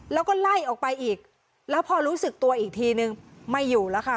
แล้วก็ไล่ออกไปอีกแล้วพอรู้สึกตัวอีกทีนึงไม่อยู่แล้วค่ะ